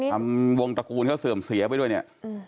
ทำวงตระกูลเขาเสื่อมเสียไปด้วยเนี่ย